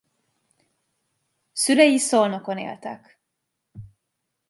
Szülei Szolnokon éltek.